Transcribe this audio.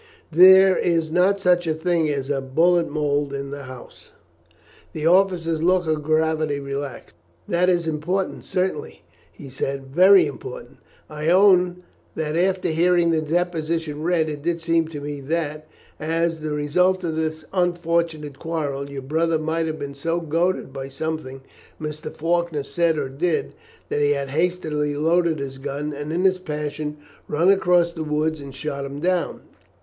There is not such a thing as a bullet mould in the house." The officer's look of gravity relaxed. "That is important, certainly," he said, "very important. I own that after hearing the deposition read it did seem to me that, as the result of this unfortunate quarrel, your brother might have been so goaded by something Mr. Faulkner said or did, that he had hastily loaded his gun, and in his passion run across the wood and shot him down.